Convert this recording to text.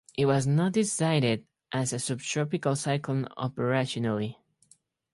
It was not designated as a subtropical cyclone operationally.